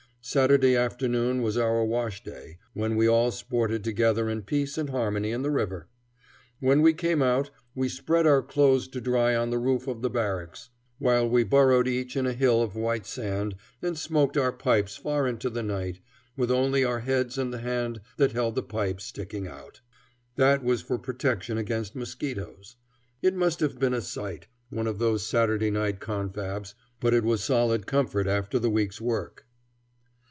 Saturday afternoon was our wash day, when we all sported together in peace and harmony in the river. When we came out, we spread our clothes to dry on the roof of the barracks, while we burrowed each in a hill of white sand, and smoked our pipes far into the night, with only our heads and the hand that held the pipe sticking out. That was for protection against mosquitoes. It must have been a sight, one of those Saturday night confabs, but it was solid comfort after the wreek's work.